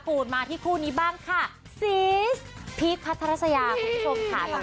มาที่คู่นี้บ้างค่ะซีสพีคพัทรสยาคุณผู้ชมค่ะ